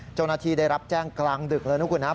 เจ้าหน้าที่ได้รับแจ้งกลางดึกเลยนะครับ